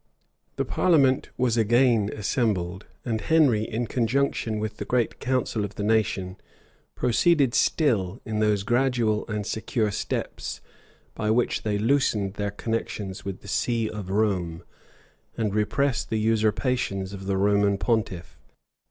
{1533.} The parliament was again assembled; and Henry, in conjunction with the great council of the nation, proceeded still in those gradual and secure steps, by which they loosened their connections with the see of Rome, and repressed the usurpations of the Roman pontiff.